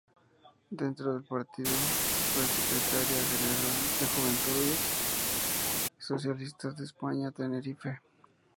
Dentro del partido, fue secretaria general de Juventudes Socialistas de España en Tenerife.